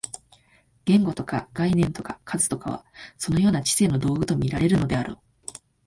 言語とか概念とか数とかは、そのような知性の道具と見られるであろう。